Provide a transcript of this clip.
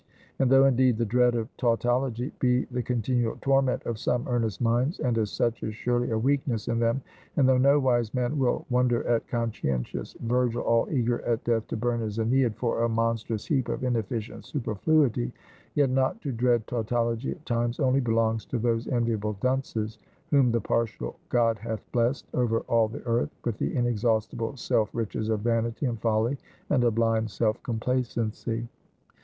And though indeed the dread of tautology be the continual torment of some earnest minds, and, as such, is surely a weakness in them; and though no wise man will wonder at conscientious Virgil all eager at death to burn his Æniad for a monstrous heap of inefficient superfluity; yet not to dread tautology at times only belongs to those enviable dunces, whom the partial God hath blessed, over all the earth, with the inexhaustible self riches of vanity, and folly, and a blind self complacency.